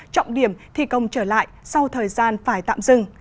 trọng điểm thi công trở lại sau thời gian phải tạm dừng